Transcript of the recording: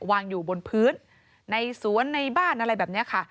วางอยู่บนพื้นในสวนในบ้านอะไรแบบนี้ค่ะ